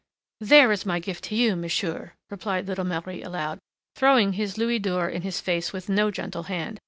"There is my gift to you, monsieur!" replied little Marie aloud, throwing his louis d'or in his face with no gentle hand.